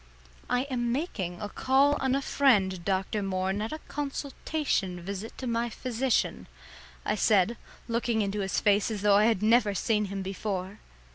"I am making a call on a friend, Dr. Moore, and not a consultation visit to my physician," I said, looking into his face as though I had never seen him before.